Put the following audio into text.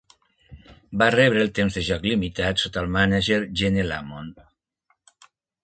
Va rebre el temps de joc limitat sota el mànager Gene Lamont.